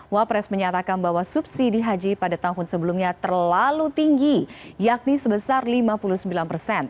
wapres menyatakan bahwa subsidi haji pada tahun sebelumnya terlalu tinggi yakni sebesar lima puluh sembilan persen